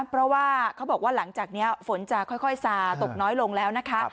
เพราะว่าเขาบอกว่าหลังจากนี้ฝนจะค่อยซาตกน้อยลงแล้วนะคะ